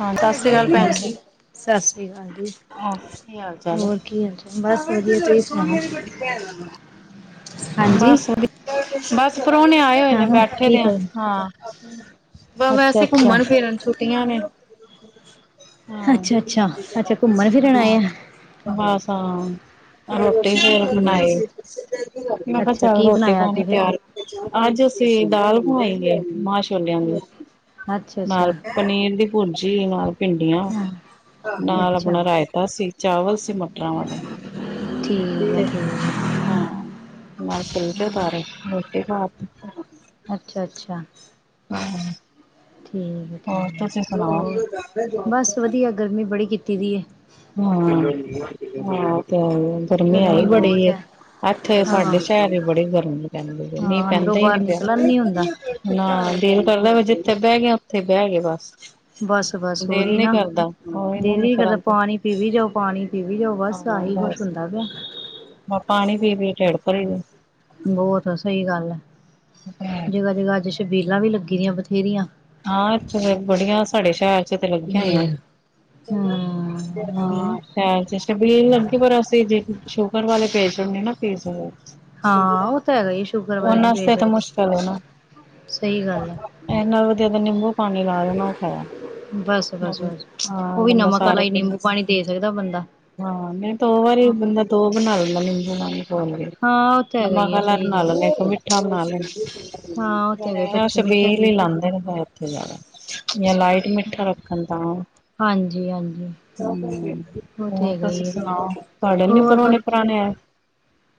ਹਾਂ, ਸਤ ਸ੍ਰੀ ਅਕਾਲ ਹਾਂਜੀ ਭੈਣ ਸਰ ਜੀ। ਸਤਿ ਸ੍ਰੀ ਅਕਾਲ ਜੀ ਕੀ ਹਾਲ ਚਾਲ ਏ? ਹੋਰ ਕੀ ਹਾਲ ਚਾਲ ਬਸ ਵਧੀਆ ਤੁਸੀਂ ਸੁਣਾਓ ਹਾਂਜੀ ਬਸ। ਬਸ। ਪਰੋਣੇ ਆਏ ਹੋਏ ਹਾਂ ਨੇ, ਹਾਂ ਬੈਠੇ ਕੀ ਦੇ ਆ ਕਰ ਹਾਂ। [inaudible] ਵ ਅੱਛਾ ਵੈਸੇ ਅੱਛਾ ਘੁੰਮਣ- ਫਿਰਨ [inaudible] [inaudible] ਹਾਂ, ਹਾਂ ਅੱਛਾ ਅੱਛਾ ਅੱਛਾ ਘੁੰਮਣ ਫਿਰਨ ਆਏ ਆ ਬਸਾਂ ਅ ਰੋਟੀ। ਫੇਰ ਠੀਕ ਬਨਾਏ। ਹੈ ਮੈਂ ਕਿਹਾ ਅੱਛਾ ਚੱਲ ਕੀ ਰੋਟੀ ਬਣਾਇਆ ਪਾਨੀ ਅੱਜ ਫਿਰ ਤਿਆਰ ਅੱਜ ਅਸੀਂ ਦਾਲ ਬਵਾਈ ਗਏ ਮਾਹ- ਛੋਲਿਆਂ ਦੀ। ਅੱਛਾ ਅੱਛਾ ਨਾਲ ਪਨੀਰ ਦੀ ਭੁਰ ਜੀ ਹਾਂ। ਭਿੰਡੀਆਂ ਹਾਂ ਨਾਲ ਅੱਛਾ ਆਪਣਾ ਰਾਇਤਾ ਸੀ, ਚਾਵਲ ਸੀ ਮਟਰਾਂ ਵਾਲੇ ਠੀਕ ਤੇ ਹੈ ਠੀਕ ਹਾਂ। [inaudible] ਅੱਛਾ, ਅੱਛਾ। ਹੂੰ। ਠੀਕ ਹੈ, ਠੀਕ ਹੈ। ਹੋਰ, ਬਸ ਵਧੀਆ ਗਰਮੀ ਬੜੀ ਕੀਤੀ ਕੀ ਦੀ ਏ? ਹੂੰ ਹਾਂ। ਤੇ ਗਰਮੀ ਐਈ ਬੜੀ ਬਹੁਤ ਏ। ਹੈ ਏਥੇ ਹਾਂ ਸਾਡੇ ਸ਼ਹਿਰ ਬੜੀ ਗਰਮੀ ਪੈਂਦੀ ਪਈ। ਮੀਂ ਹਾਂ ਅੰਦਰੋਂ ਪੈਂਦਾ ਈ ਨੀ ਬਾਹਰ ਨਿਕਲਣ ਪਿਆ। ਨੀ ਹੁੰਦਾ ਨਾ ਬਿਲੁਲ ਕਰਦਾ ਵੀ ਜਿੱਥੇ ਬੇਅ ਗੇ ਆਂ। ਉੱਥੇ ਬੇਅ ਗੇ ਬਸ। ਬਸ-ਬਸ ਦਿਲ ਓਹੀ ਨੀ ਨਾ ਕਰਦਾ ਉਹੀ ਦਿਲ ਨਾ ਈ ਨੀ ਕਰਦਾ। ਨਿਕਲਦਾ ਪਾਣੀ- ਪੀ ਵੀ ਜਾਓ ।ਪਾਣੀ ਪੀ ਵੀ ਜਾਓ ।ਬਸ ਹਾਂ ਆਹੀ ਕੁਛ ਬਸ ਹੁੰਦਾ ਪਿਆ। ਪਾਣੀ ਪੀ-ਪੀ ਟੇਡ ਭਰੀ ਜੋ। ਬੋਤ -ਸਈ ਗੱਲ ਆ। ਜ੍ਗਾ-ਜਗ੍ਹਾ ਅੱਜ- ਛਬੀਲਾਂ ਵੀ ਲੱਗੀ ਦੀਆਂ ਬਥੇਰੀਆਂ। ਹਾਂ ਏਥੇ ਬੜੀਆਂ ਸਾਡੇ- ਸ਼ੈਰ 'ਚ ਤੇ ਲੱਗੀਆਂ ਹੋਈਆ। ਚੰਗਾ ਹਮ ਉਹੀ ਨਾ -ਹਾਂ ਸ਼ੈਰ 'ਚ ਛਬੀਲ ਲਗੀ ਪਰ ਅਸੀ ਜ- ਸ਼ੂਗਰ ਵਾਲੇ ਪੇਸ਼ੰਟ ਨੀ ਨਾ ਪੀ ਸਕਦੇ। ਹਾਂ ਉਹ ਤਾਂ ਹੈਗਾ ਈ ਸ਼ੂਗਰ ਵਾਲੇ ਨੀ ਪੇ ਵਾਸਤੇ ਤਾਂ ਸਕਦੇ। ਮੁਸ਼ਕਿਲ ਹੈ ਨਾ ਸਈ ਗੱਲ ਐ। ਇਹ ਨਾਲ ਵਧੀਆ ਨਿੰਬੂ ਪਾਣੀ ਲਾ ਲੈ ਨਾ ਓ ਖਰਾ ਬਸ ਬਸ ਬਸ ।ਹਾਂ ਉਹ ਵੀ ਬੰਦਾ ਨਮਕ ਵਾਲਾ ਸਾਰੇ ਹੀ ਨਿੰਬੂ ਪੀਦੇਂ। ਪਾਣੀ ਦੇ ਸਕਦਾ ਬੰਦਾ ਹਾਂ ਨਈ ਦੋ ਵਰੀ ਹਾਂ ਬੰਦਾ ਦੋ ਬਣਾ- [unintelligible] ਹਾਂ ਉਹ ਤਾਂ ਹੈਗਾ ਹੀ -ਨਮਕ ਹੈ ਅਲਾ ਸਹੀ ਬਣਾ ਗੱਲ ਲਵੇ ਇਕ ਮਿਠ- ਮਿੱਠਾ ਬਣਾ ਹਾਂ ਉਹ ਤਾਂ ਹੈਗਾ ਲੈਣ। ਬੱਚੇ ਮਿੱਠੇ ਛਬੀਲ ਈ ਪੀ ਲਾਂਦੇ ਨੇ। [inaudible] ਜਾਂ ਲਾਈਟ ਮਿੱਠਾ ਰੱਖਣ ਤਾ ਹਾਂਜੀ ਹਾਂਜੀ ਉਹ ਤੇ ।ਹੋਰ ਹੈਗਾ ਹੀ ਤੁਸੀ ਹੈ ਸੁਣਾਓ ਤੁਆਡੇ ਨੀ ਹੋਰ ਬਸ ਪਰੋਣੇ ਪਰਾਣੇ ਆਏ।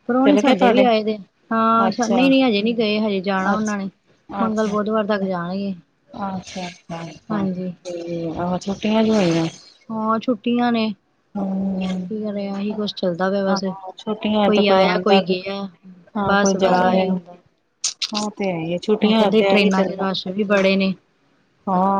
ਪ੍ਰਾਹੁਣੇ ਚਲਗੇ ਸਾਡੇ ਵੀ ਤੁਆਡੇ। ਆਏ ਦੇ ਹਾਂ ਸ ਨਹੀਂ ਅੱਛਾ- ਨਹੀਂ ਹਜੇ ਨਹੀਂ ਗਏ ਹਜੇ ਜਾਣਾ ਉਹਨਾਂ ਨੇ ਅਛਾ ਮੰਗਲ -ਅੱਛਾ। ਬੁੱਧਵਾਰ ਤੱਕ ਜਾਣਗੇ ਅੱਛਾ। ਹਾਂਜੀ [inaudible] ਛੁਟੀਆਂ ਜੂ ਹੋਈਆਂ। ਹਾਂ ਛੁੱਟੀਆਂ ਨੇ ਹਮ ਕੀ ਕਰੇ ਏਹੀ ਕੁਛ ਚੱਲਦਾ ਪਿਆ ਬਸ। ਆਹੋ ਛੁੱਟੀਆਂ ਤੇ ਕੋਈ ਆਇਆ ਆਉਂਦਾ ਕੋਈ ਗਿਆ। ਹਾਂ ਕੋਈ ਬੱਸ ਜਾ -ਬੱਸ ਆਹੀ ਰਿਹਾ ਉਹ ਤੇ ਹੈ ਹੀ ਹੁੰਦਾ ਛੁੱਟੀਆਂ ।ਕੇਂਦੇ ਤੇ ਇਹੀ ਟ੍ਰੇਨਾਂ 'ਚ ਚੱਲਦਾ ਰਸ਼ ਵੀ- ਬੜੇ ਨੇ।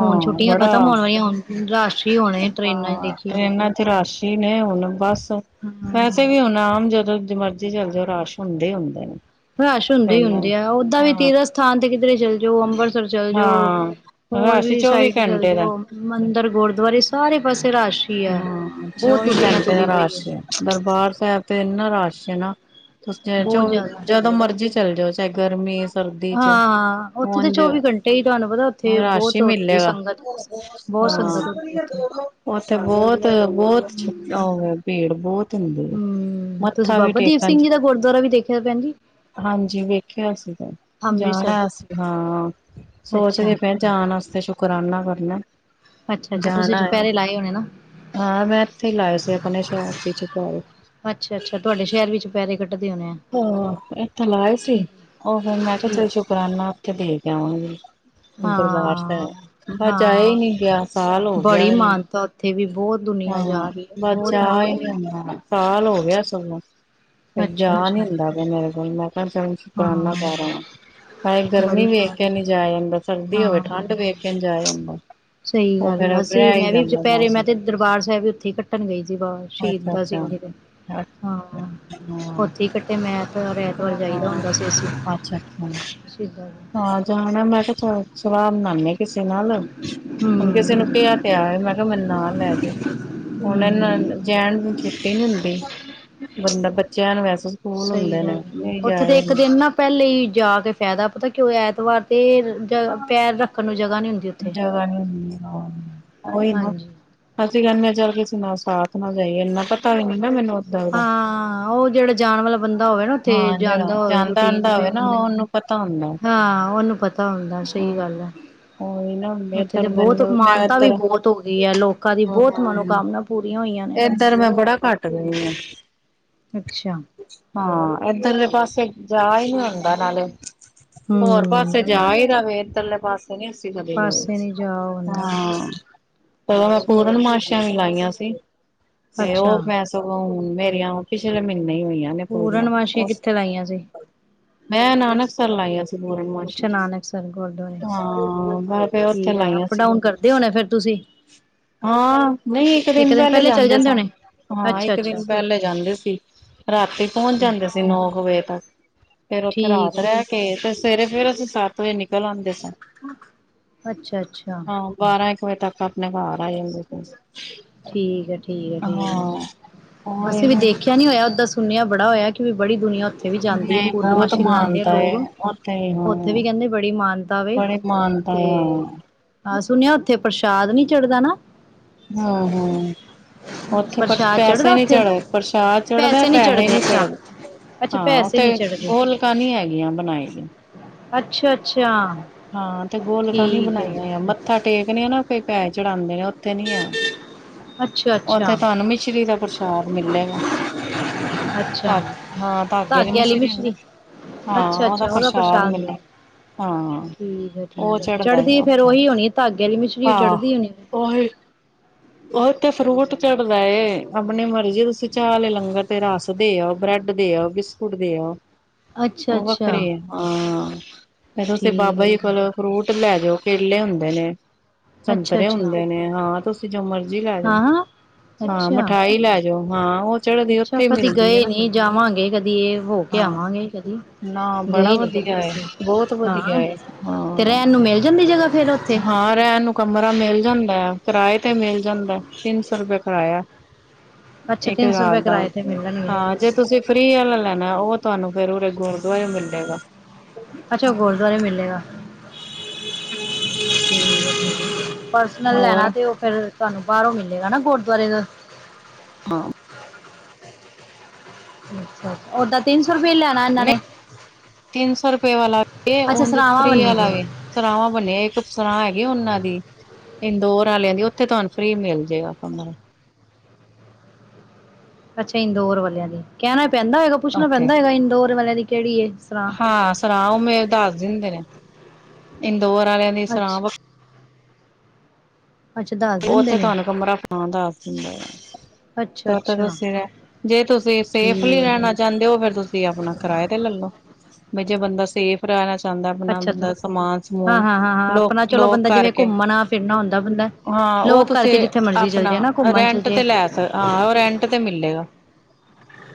ਹੁਣ ਛੁੱਟੀਆਂ ਬੜਾ ਖਤਮ ਹੋਣ ਵਾਲੀਆਂ ਹੁਣ ਰਸ਼ ਈ ਹੋਣੇ। ਟ੍ਰਰੇਨਾਂ ਚ ਹਾਂ- ਦੇਖੀਓ ਟ੍ਰੇਨਾਂ ਚ ਰਸ਼ ਈ ਨੇ ਹੁਣ ਬਸ। ਹਾਂ ਵੈਸੇ ਵੀ ਹੁਣ ਆਮ ਜਦੋਂ- ਮਰਜ਼ੀ ਚੱਲ ਜਓ ਰਸ਼ ਹੁੰਦੇ ਈ ਹੁੰਦੇ ਨੇ। ਰਸ਼ ਹੁੰਦੇ ਈ ਟ੍ਰੇਨਾਂ ਹੁੰਦੇ ਆ ।ਓਦਾਂ ਵੀ ਹਾਂ ਤੀਰਥ ਸਥਾਨ ਤੇ ਕਿਧਰੇ ਚੱਲ ਜਓ ਅੰਮਬਰਸਰ ਚੱਲ ਜਓ- ਹਾਂ ਜੋ ।ਹੋਰ ਰਸ਼ ਵੀ ਚੌਵੀ ਸਾਈਡ ਚੱਲ ਘੰਟੇ ਦਾ ਜੋ ਮੰਦਿਰ, ਗੁਰਦੁਆਰੇ ਸਾਰੇ ਪਾਸੇ ਰਸ਼ ਈ ਐ। ਹਾਂ ਬਹੁਤ ਚੌਵੀ ਦੁਨੀਆਂ ਤੁਰੀ ਪਈ ਐ। ਇਨਾ ਰਸ਼ ਏ ਨਾ। ਤੁਸੀ ਚਲ ਬਹੁਤ 'ਚੋ ਜ਼ਿਆਦਾ ਜਦੋਂ ਮਰਜ਼ੀ- ਚੱਲ ਜਾਓ, ਚਾਹੇ ਗਰਮੀ ਸਰਦੀ ਹਾਂ, ਉੱਥੇ ਤੇ ਚੌਵੀ ਘੰਟੇ ਹੀ ਤੁਹਾਨੂੰ ਪਤਾ ਉੱਥੇ ਰੱਸ਼ ਬਹੁਤ ਹੀ ਹੁੰਦੀ ਹੈ ਮਿਲੇਗਾ, ਸੰਗਤ ਬਹੁਤ ਹਾਂ ਸੰਗਤ ਹੁੰਦੀ ਉੱਥੇ । ਉੱਥੇ ਬਹੁਤ-ਬਹੁਤ ਹਮ [unintelligible] ਏਡ ਬਹੁਤ ਦਿੰਦੇ ਆ, ਹਮ ਤੁਸੀਂ ਮੱਥਾ ਵੀ ਬਾਬਾ ਦੀਪ ਟੇਕਣ ਸਿੰਘ ਚ, ਜੀ ਦਾ ਗੁਰਦੁਆਰਾ ਵੀ ਦੇਖਿਆ ਭੈਣ ਜੀ ਹਾਂਜੀ ਵੇਖਿਆ ਸੀ ਤੇ, ਅੰਮ੍ਰਿਤਸਰ ਜਾਣਾ ਅਸੀ, ਹਾਂ ਅੱਛਾ ਸੋਚਦੇ ਪਏ ਜਾਣ ਵਾਸਤੇ ਸ਼ੁਕਰਾਂਨਾ ਕਰਨਾ ਅੱਛਾ ਅੱਛਾ ਤੁਸੀਂ ਜਾਣਾ ਹੈ, ਚੁਪਹਿਰੇ ਲਾਏ ਹੋਣੇ ਨਾ ਹਾਂ ਮੈਂ ਇੱਥੇ ਲਾਏ ਸੀ ਆਪਣੇ ਸ਼ਹਿਰ ਚ ਦੁਪਹਿਰੇ। ਅੱਛਾ ਅੱਛਾ ਤੁਹਾਡੇ ਸ਼ਹਿਰ ਵਿੱਚ ਚੁਪਹਿਰੇ ਕੱਢਦੇ ਹੋਣੇ ਆ ਹਾਂ, ਇਥੇ ਲਾਏ ਸੀ, ਠੀਕ ਉਹ ਫਿਰ ਮੈਂ ਕਿਹਾ ਠੀਕ ਚੱਲ ਸ਼ੁਕਰਾਨਾ ਉੱਥੇ ਦੇ ਕੇ ਆਵਾਂਗੇ। [unintelligible] ਹਾਂਜੀ ਦਰਬਾਰ ਹਾਂ, ਸਾਹਿਬ, ਬਸ ਜਾਇਆ ਹੀ ਹਾਂ। ਨੀ ਗਿਆ, ਸਾਲ ਹੋ ਗਿਆ ਬੜੀ ਏ । ਮਾਨਤਾ ਉੱਥੇ ਵੀ ਬਹੁਤ ਦੁਨੀਆਂ ਹਾਂ ਜਾ ਰਹੀ ਹੈ ਬਸ ਬਹੁਤ ਜਾ ਹੀ ਨਹੀਂ ਮਾਨਤਾ। ਹੁੰਦਾ । ਸਾਲ ਹੋ ਗਿਆ ਸੁੰਨਾ। ਇੱਕ ਜਾ ਅੱਛਾ, ਨੀ ਅੱਛਾ ਹੁੰਦਾ ਬਈ ਮੇਰੇ [unintelligible] ਚਲੌ ਸ਼ੁਕਰਾਨਾ ਹਾਂ ਕਰ ਆਵਾਂ । ਹਾਏ ਬੜੀ ਗਰਮੀ ਵੇਖ ਮਾਨ ਕੇ ਨਹੀਂ ਜਾਇਆ ਜਾਂਦਾ, ਸਰਦੀ ਹੋਵੇ ਹਾਂ। ਠੰਡ ਵੇਖ ਕੇ ਨਹੀਂ ਜਾਇਆ ਜਾਂਦਾ। ਸਹੀ ਉਹ ਗੱਲ ਫੇਰ ਆ, ਅਸੀਂ, ਰਹਿ ਹੀ ਮੈਂ ਵੀ ਜਾਂਦਾ ਚੁੱਪ, ਮੈਂ ਤੇ ਮੌਸਮ ਮੈਂ ਵੀ ਉੱਥੇ ਹੀ ਕੱਟਣ ਗਈ ਸੀ, ਬਾਬਾ ਅੱਛਾ ਸ਼ਹੀਦਾਂ ਅੱਛਾ। ਸਿੰਘ ਜੀ ਦੇ, ਅੱਛਾ ਹਾਂ ਅੱਛਾ ਹਾਂ ਉੱਥੇ ਹੀ ਕੱਟੇ ਮੈਂ ਤੇ ਐਤਵਾਰ ਜਾਈਦਾ ਹਾਂ, ਹੁੰਦਾ ਸੀ ਅਸੀਂ। ਅੱਛਾ-ਅੱਛਾ, ਸ਼ਹੀਦਾਂ ਦੇ। ਹਾਂ ਜਾਣਾ ਮੈਂ ਕਿਹਾ ਥੋੜਾ ਸਲਾਹ ਬਣਾਂਦੇ ਕਿਸੇ ਨਾਲ, ਹੁਣ ਕਿਸੇ ਨੂੰ ਹੂੰ, ਕਿਹਾ ਤੇ ਆ ਮੈਂ ਕਿਹਾ ਮੈਨੂੰ ਨਾਲ ਲੈ ਜੀਂ, ਹੁਣ ਹੂੰ, ਇਹਨਾਂ, ਹੂੰ। ਜੈਂਟ ਨੂੰ ਛੁੱਟੀ ਨੀ ਹੁੰਦੀ, ਮਤਲਬ ਬੱਚਿਆਂ ਨੂੰ ਵੈਸੇ ਸਕੂਲ ਸਹੀ ਹੁੰਦੇ ਗੱਲ ਨੇ ਨਹੀਂ ਉੱਥੇ ਤੇ ਜਾਏ ਇੱਕ ਦਿਨ ਨਾ ਪਹਿਲੇ ਹੀ ਜਾ ਕੇ ਫਾਇਦਾ, ਪਤਾ ਕ ਕਿਉਂ ਐਤਵਾਰ 'ਤੇ ਰ ਜ, ਪੈਰ ਰੱਖਣ ਨੂੰ ਜਗ੍ਹਾ ਨੀ ਹੁੰਦੀ। ਉੱਥੇ ਜਗਾ ਨੀ ਹੁੰਦੀ ਹਾਂ, ਉਹੀ ਨਾ ਹਾਂਜੀ ਅ ਅਸੀਂ ਕੈਂਦੇ ਹਾਂ ਚੱਲ ਕਿਸੇ ਨਾਲ ਸਾਥ ਨਾ ਜਾਈਏ, ਇੰਨਾ ਪਤਾ ਵੀ ਨੀ ਨਾ ਮੈਨੂੰ। ਓਦਾਂ ਦਾ ਹਾਂ ਉਹ ਜਿਹੜਾ ਜਾਨ ਵਾਲਾ ਬੰਦਾ ਹੋਵੇ ਨਾ ਉੱਥੇ ਹਾਂ ਜਿਹੜਾ ਜਾਂਦਾ ਹੋਵੇ ਰੂਟੀਨ ਆਂਦਾ ਫੇਰ ਹੋਵੇ ਨਾ ਬੰਦਾ, ਉਹਨੂੰ ਪਤਾ ਹੁੰਦਾ ਹਾਂ ਉਹਨੂੰ ਪਤਾ ਹੁੰਦਾ। ਸਹੀ ਹਾਂ ਗੱਲ ਆ। ਉਹੀ ਨਾ ਉੱਥੇ ਤੇ ਇੱਧਰ ਬਹੁਤ ਮੈਨੂੰ ਮੈਂ ਮਾਨਤਾ ਵੀ ਇੱਧਰ ਬਹੁਤ ਹੋ ਗਈ ਹੈ, ਲੋਕਾਂ ਦੀ ਹਾਂ ਬਹੁਤ ਮਨੋਕਾਮਨਾ ਪੂਰੀਆਂ ਹੋਈਆਂ ਨੇ। ਇੱਧਰ ਮੈਂ ਬੜਾ ਘੱਟ ਗਈ ਆ ਅੱਛਾ। ਹਾਂ, ਇਧਰਲੇ ਪਾਸੇ ਜਾ ਈ ਨੀ ਹੁੰਦਾ ਨਾਲੇ ਹੋਰ ਪਾਸੇ ਹਮ ਜਾਈਦਾ ਫੇਰ ਚੱਲੇ ਪਾਸ ਬਣੀ ਸੁਵਿਧਾ ਐ ਪਾਸੇ ਨੀ ਜਾ ਹੁੰਦਾ ਹਾਂ ।ਪਰ ਸਹੀ ਪੂਰਨਮਾਸ਼ੀਆਂ ਵੀ ਲਾਈਆਂ ਸੀ। ਤੇ ਅੱਛਾ ਉਹ ਮੈਂ ਸਗੋਂ ਹ ਮੇਰੀਆਂ ਉਹ ਪਿਛਲੇ ਮਹੀਨੇ ਹੀ ਹੋਈਆਂ। ਨੇ ਪੂਰੀਆਂ। ਪੂਰਨਮਾਸ਼ੀਆਂ ਕਿੱਥੇ ਲਾਈਆਂ ਸੀ। ਮੈਂ ਨਾਨਕਸਰ ਲਾਈਆਂ ਸੀ। ਪੂਰਨਮਾਸ਼ੀ। ਅੱਛਾ ਨਾਨਕਸਰ ਗੁਰਦੁਆਰੇ ਹਾਂ, ਮੈ ਫੇਰ ਉਥੇ ਠੀਕ ਆ ਲਾਈਆਂ ਅਪ ਸੀ। ਡਾਊਨ ਕਰਦੇ ਹੋਣੇ ਫੇਰ ਤੁਸੀਂ ਹਾਂ, ਨਹੀਂ ਇੱਕ ਦਿਨ ਪਹਿਲੇ ਜਾਂਦੇ ਸੀ। ਹਾਂ, ਅੱਛਾ ਇੱਕ ਅੱਛਾ ਦਿਨ ਪਹਿਲੇ ਜਾਂਦੇ ਸੀ ਰਾਤੀ ਪਹੁੰਚ ਠੀਕ ਜਾਂਦੇ ਸੀ। ਹੋਰ ਹੋਵੇ ਤਾਂ ਫੇਰ ਉੱਥੇ ਠੀਕ ਰਾਤ ਹੈ ਰਹਿ ਕੇ ਤੇ ਸਵੇਰੇ ਫੇਰ ਅਸੀਂ ਸੱਤ ਵਜੇ ਨਿਕਲ ਆਂਦੇ ਸੀ। ਅੱਛਾ, ਅੱਛਾ। ਤੱਕ ਆਪਣੇ ਘਾਰ ਆ ਜਾਂਦੇ ਸੀ। ਠੀਕ ਹੈ। ਠੀਕ ਹੈ। ਠੀਕ ਹਾਂ ਹੈ। ਉਹੀ ਅਸੀਂ ਵੀ ਨਾ ਦੇਖਿਆ ਨੀ ਹੋਇਆ ਓਦਾਂ ਸੁਣਿਆ ਬੜਾ ਹੋਇਆ ਕਿ ਵੀ ਬੜੀ ਦੁਨੀਆ ਓਥ ਉਥੇ ਵੀ ਜਾਂਦੀ ਹੈ। ਨਹੀਂ ਬਹੁਤ ਪੂਰਨਮਾਸ਼ੀ ਲਗਾਉਂਦੇ ਆ ਮਾਨਤਾ ਹੈ ਲੋਗ। ਉੱਥੇ ਹੀ, ਉੱਥੇ ਹਾਂ ਵੀ ਕਹਿੰਦੇ ਬੜੀ ਮਾਨਤਾ ਵੇ। ਬੜੀ ਮਾਨਤਾ ਹੈ ਹਾਂ ਆਹ ਸੁਣਿਆ ਉੱਥੇ ਪਰ ਸ਼ਾਦ ਨੀ ਚੜ੍ਹਦਾ ਨਾ ਹੂੰ, ਹੂੰ। ਉੱਥੇ ਪਰ ਪ੍ਰਸ਼ਾਦ ਪੈਸੇ ਚੜ੍ਹਦਾ ਨਹੀਂ ਉੱਥੇ ਚੜ੍ਹਦੇ ਪ੍ਰਸ਼ਾਦ ਚੜ੍ਹਦਾ ਪੈਸੇ ਨੀ ਪੈਹੇ ਨਹੀਂ ਅੱਛਾ ਚੜ੍ਹਦੇ। ਅੱਛਾ ਹਾਂ, ਪੈਸੇ ਉੱਥੇ ਨੀ ਚੜ੍ਹਦੇ ਗੋਲਕਾਂ ਨੀ ਹੈਗੀਆਂ ਬਣਾਈਆਂ ਅੱਛਾ, ਅੱਛਾ। ਹਾਂ, ਤੇ ਗੋਲਕਾਂ ਨੀ ਠੀਕ ਹੈ ਬਣਾਈਆ ਹੋਈਆਂ। ਮੱਥਾ ਟੇਕਣੇ ਆ ਨਾ ਫੇ ਪੈਸ ਚਡਾਂਦੇ ਨੇ ਓ ਉੱਥੇ ਨੀ ਹੈ। ਅੱਛਾ ਉੱਥੇ ਅੱਛਾ ਤੁਹਾਨੂੰ ਮਿਸ਼ਰੀ ਦਾ ਪ੍ਰ ਪ੍ਰਸ਼ਾਦ ਮਿਲੇਗਾ। ਅੱਛਾ ਹਾਂ, ਧਾਗੇ ਆਲੀ ਮਿਸ਼ਰੀ ਨੀ, ਹਾਂ, ਅੱਛਾ ਉਹਦਾ ਅੱਛਾ ਪ੍ਰਸ਼ਾਦ ਮਿਲੇਗਾ, ਮਿਲਦਾ ਹਾਂ। ਠੀਕ ਏ, ਉਹ ਠੀਕ ਏ। ਚੜਦਾ ਚੜਦੀ ਆ ਫੇਰ ਉੱਥੇ ਉਹੀ ਹੋਣੀ। ਧਾਗੇ ਵਾਲੀ ਮਿਛਰੀ ਚੜਦੀ ਹੋਣੀ ਫ ਉਹਥੇ ਫਰੂਟ ਚੜਦਾ ਏ। ਆਪਣੀ ਮਰਜ਼ੀ ਤੁਸੀਂ ਚਾਹ ਆਲੇ ਲੰਗਰ ਤੇ ਰਸ ਦੇ ਆਓ, ਬ੍ਰੈਡ ਦੇ ਆਓ, ਬਿਸਕੁਟ ਦੇ ਆਓ। ਅੱਛਾ ਉਹ ਵੱਖਰੇ ਅੱਛਾ ਏ, ਹਾਂ। ਫੇਰ ਤੁਸੀਂ ਠੀਕ ਬਾਬਾ ਹੈ ਜੀ ਠੀਕ ਕੋਲੋਂ ਫਰੂਟ ਲੈ ਜਾਓ ਕੇਲੇ ਹੁੰਦੇ ਨੇ ਅੱਛਾ ਸੰਤਰੇ ਅੱਛਾ ਹੁੰਦੇ ਨੇ ਹਾਂ ਤੁਸੀਂ ਜੋ ਮਰਜੀੀ ਲੈ ਜਾਓ ਹਾਂ ਹਾਂ ਹਾਂ ਅੱਛਾ ਮਿਠਾਈ ਲੈ ਜਾਓ ਹਾਂ ਉਹ ਚੜਦੀ ਅੱਛਾ ਉੱਥੇ ਕਦੀ ਮਿਲਦੀ ਹੈ ਗਏ ਨਾ ਨੀ ਜਾਵਾਂਗੇ ਕਦੀ ਇਹ ਹੋ ਕੇ ਹਾਂ ਆਵਾਂਗੇ ਕਦੀ ਨਾ ਬੜਾ ਗਏ ਨੀ ਵਧੀਆ ਕਦੀ ਹੈ ਅਸੀਂ ਬਹੁਤ ਵਧੀਆ ਹਾਂ ਹੈ ਤੇ ਹਾਂ ਰਹਿਣ ਨੂੰ ਮਿਲ ਜਾਂਦੀ ਜਗ੍ਹਾ ਫੇਰ ਉੱਥੇ ਹਾਂ ਰਹਿਣ ਨੂੰ ਕਮਰਾ ਮਿਲ ਜਾਂਦਾ ਕਿਰਾਏ ਜਾਂਦਾ ਤਿੰਨ ਸੌ ਰੁਪਏ ਕਰਾਇਆ ਅੱਛਾ ਇੱਕ ਤਿੰਨ ਸੌ ਰਾਤ ਰੁਪਏ ਦਾ ਕਿਰਾਏ ਤੇ ਮਿਲਣਗੇ ਹਾਂ ਜੇ ਤੁਸੀਂ ਫ੍ਰਰੀ ਵਾਲਾ ਲੈਣਾ ਉਹ ਤੁਹਾਨੂੰ ਫਰਰੇ ਗੁਰਦੁਆਰੇ ਨੂੰ ਮਿਲ ਜਾਗਾ ਅੱਛਾ ਉਹ ਗੁਰਦੁਆਰੇ ਮਿਲੇਗਾ ਹਮ ਰ [unintelligible] ਪ੍ਸਨਲ ਲੈਣਾ ਹੋਰ ਤੇ ਉਹ ਫਿਰ ਤੁਹਾਨੂੰ ਬਾਹਰੋ ਮਿਲੇਗਾ ਨਾ ਗੁਰਦੁਆਰੇ ਦਾ ਹਾਂ ਅੱਛਾ ਓਾਂ ਤਿੰਨ ਸੌ ਰੁਪਏ ਲੈਣਾ ਇਹਨਾਂ ਨਹੀਂ ਨੇ ਤਿੰਨ ਸੌ ਰੁਪਏ ਵਾਲਾ ਵ ਅੱਛਾ ਉਹ ਸਰਾਵਾਂ ਫਰੀ ਬੰਨੀ ਦੀ ਵਾਲਾ ਵੇ ਸਰਾਵਾਂ ਬਣਿਆ ਇੱਕ ਸਰਾ ਹੈਗੇ ਉਹਨਾਂ ਦੀ ਇੰਦੋਰ ਵਾਲਿਆਂ ਦੀ ਉੱਥੇ ਤੁਹਾਨੂੰ ਫ੍ਰਰੀ ਮਿਲ ਜਏਗਾਾਂ ਅੱਛਾ ਇੰਦੋਰ ਵਾਲਿਆਂ ਦੀ ਕਹਿਣਾ ਪੈਂਦਾ ਹੈਗਾ ਪੁੱਛਣਾ ਉੱਥੇ ਪੈਂਦਾ ਹੈਗਾ ਇੰਡੋਰ ਵਾਲਿਆਂ ਦੀ ਕਿਹੜੀਏ ਹਾਂ ਸੁਣਾ ਉਹ ਮੇਰੇ ਦੱਸ ਦਿੰਦੇ ਨੇ ਹ ਦੋਰ ਵਾਲਿਆਂ ਦੀ ਸਰਾਾਂ ਵ ਅੱਛਾ ਅੱਛਾ ਦੱਸ ਦਿੰਦੇ ਉੱਥੇ ਨੇ ਤੁਹਾਨੂੰ ਕਮਰਾ ਪਾਣਾ ਦੱਸ ਦਿੰਦੇ ਆ ਤੇ ਅੱਛਾ ਉਥੇ ਅੱਛਾ ਤੁਸੀਂ ਰ ਜੇ ਤੁਸੀਂ ਸੇਫਲੀ ਠੀਕ ਹੈ ਰਹਿਣਾ ਠੀਕ ਚਾਹੁੰਦੇ ਹੋ ਫੇਰ ਤੁਸੀਂ ਆਪਣਾ ਕਿਰਾਏ ਤੇ ਲੈਲੋ ਵੀ ਜੇ ਬੰਦਾ ਸੇਫ ਰਹਿਣਾ ਚਾਹੁੰਦਾ ਆਪਣਾ ਅੱਛਾ ਅੱਛਾ ਬੰਦਾ ਸਮਾਨ ਹਾਂ ਸਮੂਨ ਹਾਂ ਹਾਂ ਹਾਂ ਲੋਕ ਆਪਣਾ ਚਲੋ ਲੋਕ ਬੰਦਾ ਜਿਵੇਂ ਕਰਕੇ ਘੁੰਮਣਾ ਫਿਰਨਾ ਹੁੰਦਾ ਬੰਦਾ ਹਾਂ ਉਹ ਲੋਕ ਕਰਕੇ ਤੁਸੀਂ ਜਿੱਥੇ ਮਰਜ਼ੀ ਚੱਲ ਜਾਏ ਆਪਣਾ ਨਾ ਘੁੰਮਣ ਚੱਲ ਰੈਂਟ ਤੇ ਜਾਏ ਲੈ ਹਾਂ ਉਹ ਰੈਂਟ ਤੇ ਮਿਲੇਗਾ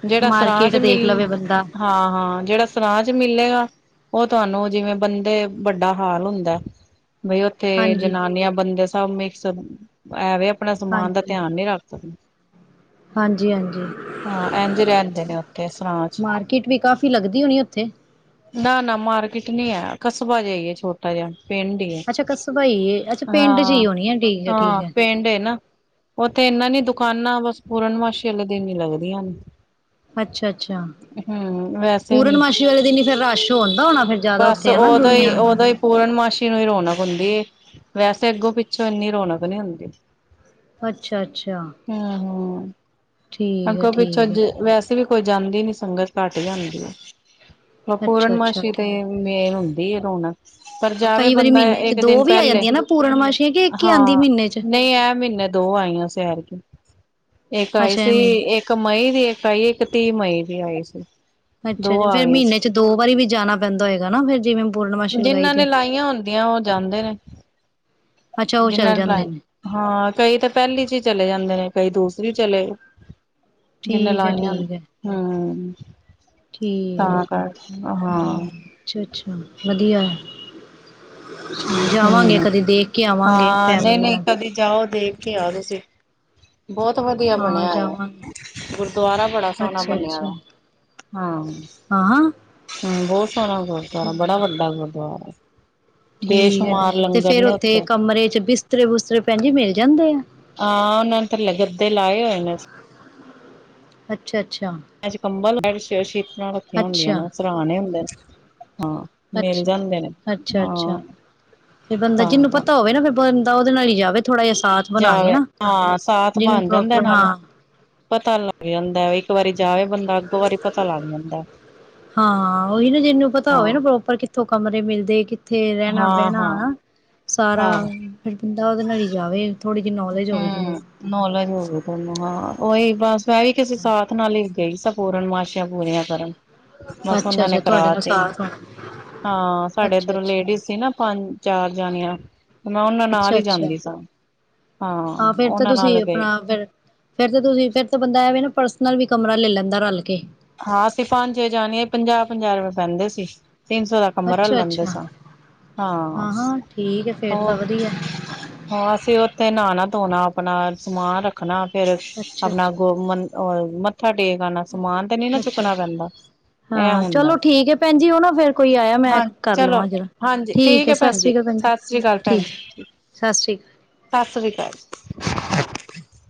ਜਿਹੜਾ ਸਰਾਂ ਮਾਰਕੀਟ ਚ ਦੇਖ ਮਿਲ ਲਵੇ ਬੰਦਾ ਹਾਂ ਹਾਂ ਜਿਹੜਾ ਸਰਾਂ ਚ ਮਿਲੇਗਾ ਉਹ ਤੁਹਾਨੂੰ ਜਿਵੇਂ ਬੰਦੇ ਵੱਡਾ ਹਾਲ ਹੁੰਦਾ ਬਈ ਉੱਥੇ ਹਾਂਜੀ ਜਨਾਨੀਆਂ ਬੰਦੇ ਸਮਮੇ ਐਵੇ ਆਪਣਾ ਸਮਾਨ ਦਾ ਹਾਂਜੀ ਧਿਆਨ ਨਹੀਂ ਰੱਖ ਸਕਦੇ ਹਾਂਜੀ ਹਾਂਜੀ ਹਾਂ ਇੰਝ ਰਹਦੇ ਨੇ ਉੱਥੇ ਸ ਮਾਰਕੀਟ ਵੀ ਕਾਫ਼ੀ ਲੱਗਦੀ ਹੋਣੀ ਉੱਥੇ ਨਾ ਨਾ ਮਾਰਕੀਟ ਨੀ ਹੈ ਕਸਬਾ ਜਿਹਾ ਹੀ ਹੈ ਛੋਟਾ ਜਿਹਾ। ਪਿੰਡ ਹੀ ਹੈ। ਅੱਛਾ ਕਸਬਾ ਈ ਹੈ। ਅੱਛਾ ਪਿੰਡ ਚ ਹਾਂ ਹੀ ਉਹਣੀ ਹੈ। ਠੀਕ ਹੈ ਠੀਕ ਹਾਂ ਹੈ ਪਿੰਡ ਏ ਨਾ। ਉੱਥੇ ਇਨਾਂ ਨੀ ਦੁਕਾਨਾਂ ਬਸ ਪੂਰਨਮਾਸ਼ੀ ਵਾਲੇ ਦਿਨ ਹੀ ਲੱਗਦੀਆਂ ਨੇ। ਅੱਛਾ-ਅੱਛਾ ਹੂੰ ਵੈਸੇ ਨੀ ਪੂਰਨਮਾਸੀ ਵਾਲੇ ਦਿਨ ਫਿਰ ਰਾਸ਼ ਹੁਂਦਾ ਹੋਣਾ ਫਿਰ ਜ਼ਿਆਦਾ ਬਸ ਉੱਥੇ ਹੇਨਾ ਉਦੋਂ ਹੀ ਦੁਨੀਆਂ ਉਦੋਂ ਹੀ ਪੂਰਨਮਾਸ਼ੀ ਨੂੰ ਹੀ ਰੌਣਕ ਹੁੰਦੀ ਏ। ਵੈਸੇ ਅੱਗੋਂ ਪਿੱਛੋਂ ਇੰਨੀ ਰੋਨਕ ਨੀ ਹੁੰਦੀ। ਅੱਛਾ-ਅੱਛਾ! [inaudible] ਅੱਗੋਂ ਪਿੱਛੋਂ ਜੇ ਵੈਸ ਵੀ ਕੋਈ ਜਾਂਦੀ ਨੀ ਸੰਗਤ ਘੱਟ ਜਾਂਦੀ ਹੈ। ਅੱਛਾ ਪੂਰਣ ਅੱਛਾ ਮਾਸ਼ੀ ਤੇ ਇਹ ਠੀਕ ਮੇਲ ਹੂਂ ਹੁੰਦੀ ਏ ਰੋਨਕ। ਕਈ ਵਾਰੀ ਮਹੀਨੇ ਚ ਦੋ ਵੀ ਆ ਪਹਿਲੇ ਜਾਂਦੀਆਂ ਨਾ ਪੂਰਨਮਾਸ਼ੀਆਂ ਕਿ ਹੀ ਆਉਂਦੀ ਹਾਂ ਮਹੀਨੇ ਚ ਨਹੀਂ ਇਹ ਮਹੀਨੇ ਦੋ ਆਈਆਂ ਸੈਹਦ। ਓ [inaudible] ਇੱਕ ਆਈ ਅੱਛਾ ਇਹ ਸੀ ਮਹੀਨੇ ਇੱਕ ਮਈ ਦੀ ਇੱਕ ਆਈ ਇੱਕ ਇੱਕ ਤੀਹ ਮਈ ਵੀ ਆਈ ਸੀ। ਅੱਛਾ ਦੋ ਆ ਫੇਰ ਗਈਆਂ ਮਹੀਨੇ ਚ ਸੀ ਦੋ ਵਾਰੀ ਵੀ ਜਾਣਾ ਪੈਂਦਾ ਹੋਏਗਾ ਨਾ ਫੇਰ ਜਿਵੇਂ ਪੂਰਨਮਾਸ਼ੀ ਲਗਾਈ ਜਿੰਹਨਾਂ ਨੇ ਤੇ ਲਾਈਆਂ ਹੁੰਦੀਆਂ ਉਹ ਜਾਂਦੇ ਨੇ ਅੱਛਾ ਉਹ ਚੱਲ ਜਿਨਾਂ ਨੇ ਜਾਂਦੇ ਲ ਹਾਂ ਕਈ ਤਾਂ ਪਹਿਲੀ ਚ ਹੀ ਚਲੇ ਜਾਂਦੇ ਨੇ ਕਈ ਦੂਸਰੇ ਵੀ ਚੱਲੇ ਜਿੰਨੇ ਠੀਕ ਹੈ ਲਾਈਆਂ ਨੇ ਠੀਕ ਹੈ ਹੂੰ। [inaudible] ਠੀਕ ਆ ਤਾਂ ਕਰਕੇ ਹਾਂ ਹੂੰ ਅੱਛਾ-ਅੱਛਾ! ਵਧੀਆ ਜਾਵਾਂਗੇ ਹੂੰ ਕਦੇ ਦੇਖ ਕੇ ਆਵਾਂਗੇ ਹਾਂ ਫੈਮਿਲੀ ਨਹੀਂ-ਨਹੀਂ ਨਾਲ ਕਦੇ ਜਾਓ ਦੇ ਖ ਕੇ ਆਯੋ ਤੁਸੀਂ। ਬਹੁਤ ਵਧੀਆ ਹਾਂ ਬਣਿਆ ਹੋਇਆ ਜਾਵਾਂਗੇ ਗੁਰਦੁਆਰਾ ਬੜਾ ਸੋਹਣਾ ਅੱਛਾ ਬਣਿਆ ਅੱਛਾ ਦਾ। ਹਾਂ। ਹਾਂ ਹਾਂ ਹੂੰ ਬਹੁਤ ਸਣਾ ਗੁਰਦਆਰਾ ਬੜਾ ਠੀਕ ਵੱਡਾ ਗੁਰਦਆਰਾ। ਠੀਕ ਹੈ ਜੀ ਤੇ ਫੇਰ ਉੱਥੇ ਕਮਰੇ ਬਿਸਤਰੇ ਬੁਿਸਤਰੇ ਭੈਣ ਜੀ ਮਿਲ ਜਾਂਦੇ ਆ ਹਾਂ ਉਹਨਾਂ ਨੇ ਤੇ ਲਗੱ ਦੇ ਲਾਏ ਹੋਏ ਨੇ ਅੱਛਾ ਅੱਛਾ ਮੈਂ ਚ ਕੰਬਲ ਅ ਸ ਅ ਸ਼ੀਤ ਰੱਖੀਆਂ ਹੁੰਦੀਆਂ ਅੱਛਾ ਨੇ ਸਰਾਣੇ ਹੁੰਦੇ ਨੇ ਹਾਂ ਮਿਲ ਅੱਛਾ ਜਾਂਦੇ ਨੇ ਅੱਛਾ ਹਾਂ ਅੱਛਾ ਤਾਂ ਤਾਂ ਉਹਦੇ ਨਾਲ ਹੀ ਜਾਵੇ ਥੋੜਾ ਜਿਹਾ ਸਾਥ ਬਣਾ ਕੇ ਜਾਵੇ ਨਾ ਹਾਂ ਸਾਥ ਜਿਹਨੂੰ ਬਣ ਜਾਂਦਾ ਪ੍ਰੋਪਰ ਨਾਲੇ ਹਾਂ ਪਤਾ ਲੱਗ ਜਾਂਦਾ ਵਾਰੀ ਜਾਵੇ ਬੰਦਾ ਅੱਗੋਂ ਵਾਰੀ ਪਤਾ ਲੱਗ ਜਾਂਦਾ ਹਾਂ ਉਹੀ ਨਾ ਜਿਹਨੂੰ ਪਤਾ ਹਾਂ ਹੋਵੇ ਨਾ ਪ੍ਰੋਪਰ ਕਿੱਥੋਂ ਕਮਰੇ ਮਿਲਦੇ ਦੇਖ ਉਥੇ ਰਹਿਣਾ ਹਾਂ ਬਹਿਣਾ ਹਾਂ ਹਨਾ ਸਾਰਾ ਹਾਂ ਹ ਬੰਦਾਂ ਉਹਦੇ ਨਾਲ ਜਾਵੇ ਥੋੜ੍ਹੀ ਜਿਹੀ ਨੌਲੇਜ ਹੋਵੇ ਜਿਹਨੂੰ ਹਮ ਨੌਲੇਜ ਹੋਵੇ ਤੁਹਾਨੂੰ ਹਾਂ ਉਹੀ ਬਸ ਮੈਂ ਵੀ ਕਿਸੇ ਸਾਥ ਨਾਲ ਹੀ ਕ ਸਪੂਰਨ ਮਾਸ਼ਾਂ ਪੂਰੀਆਂ ਕਰਨ ਬਸ ਉਹਨਾਂ ਨੇ ਅੱਛਾ-ਅੱਛਾ ਤੁਹਾਡੇ ਕਰਾ ਨਾਲ ਤੇ ਸਾਥ ਹੋਣਾ ਹਾਂ ਸਾਡੇ ਇਧਰੋਂ ਅੱਛਾ-ਅੱਛਾ, ਲੇਡੀਜ਼ ਸੀ ਨਾ ਪੰਜ ਚਾਰ ਜਾਣੀਆਂ ਮੈਂ ਉਹਨਾਂ ਨਾਲ ਹੀ ਅੱਛਾ-ਅੱਛਾ ਜਾਂਦੀ ਸਾਂ ਹਾਂ ਫੇਿਰ ਤਾਂ ਉਹਨਾਂ ਨਾਲ ਤੁਸੀਂ ਗਏ ਆਪਣਾ ਫਿਰ ਫਿਰ ਤਾਂ ਤੁਸੀਂ ਫਿਰ ਤਾਂ ਬੰਦਾ ਨਾ ਪਰਸਨਲ ਵੀ ਕਮਰਾ ਲੈ ਲੈਂਦਾ ਰਲ ਕੇ ਹਾਂ ਅਸੀਂ ਪੰਜ ਜ ਜਾਣੀਏ ਪੰਜਾਹ ਪੰਜਾਹ ਰੁਪਏ ਪੈਂਦੇ ਸੀ ਤਿੰਨ ਸੌ ਦਾ ਕਮਰਾ ਲੈਂਦੇ ਅੱਛਾ-ਅੱਛਾ ਸਾਂ ਹਾਂ ਹਾਂ-ਹਾਂ ਠੀਕ ਹੈ ਫੇਰ ਤਾਂ ਉਹ ਵਧੀਆ ਅਸੀਂ ਉੱਥੇ ਨ ਨਾ ਧੋਣਾ ਆਪਣਾ ਸਮਾਨ ਰੱਖਣਾ ਫੇਿਰ ਆਪਣਾ ਅੱਛਾ-ਅੱਛਾ, ਗੋ ਮ ਰ ਮੱਥਾ ਟੇਕ ਆਉਣਾ ਸਮਾਨ ਤੇ ਨ ਨਾ ਚੁੱਕਣਾ ਅੱਛਾ-ਅੱਛਾ ਪੈਂਦਾ ਇਹ ਹਾਂ ਹੁੰਦਾ ਚਲੋ ਠੀਕ ਹੈ ਭੈਣ ਜੀ ਉਹ ਨਾ ਫੇਰ ਕੋਈ ਆਇਆ ਮੈਂ ਹਾਂਜੀ ਕਰ ਚਲੋ ਲਵਾਂ ਜਰਾ ਹਾਂਜੀ ਠੀਕ ਹੈ ਸਤਿ ਭੈਣ ਜ ਸ੍ਰੀ ਅਕਾਲ ਜੀ ਸਤਿ ਸ੍ਰੀ ਅਕਾਲ ਭੈਣ ਠੀਕ ਜ ਸਤਿ ਸ੍ਰੀ ਅਕਾਲ ਸਤਿ ਸ੍ਰੀ ਅਕਾਲ